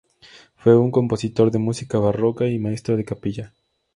Fue un compositor de música barroca y maestro de capilla.